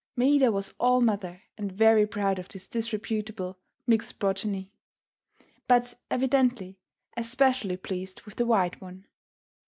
Maida was all mother, and very proud of this disreputably mixed progeny, but evidently especially pleased with the white one.